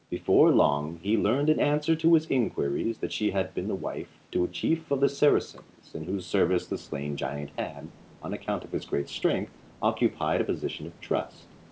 Before long he learned in answer to his inquiries that she had been wife to a chief of the Saracens, in whose service the slain giant had, on account of his great strength, occupied a position of trust.